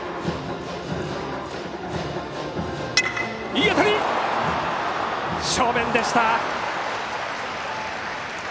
いい当たり、正面でした。